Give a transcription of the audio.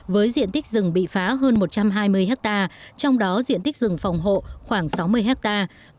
với diện tích rừng bị phá hơn một trăm hai mươi hectare trong đó diện tích rừng phòng hộ khoảng sáu mươi hectare